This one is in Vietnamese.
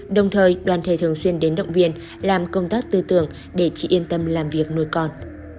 đồng thời đoàn thể thường xuyên đến động viên làm công tác tư tưởng để chị yên tâm làm việc nuôi con